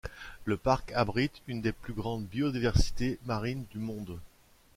Le parc abrite une des plus grandes biodiversités marines du monde.